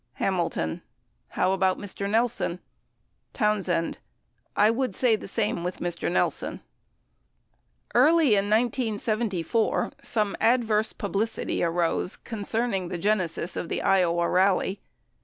Hamilton. How about Mr. Nelson ? Townsend. I would say the same with Mr. Nelson. 70 Early in 1974, some adverse publicity arose concerning the genesis of the Iowa rally.